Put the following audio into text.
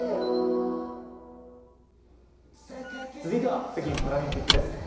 続いては北京パラリンピックです。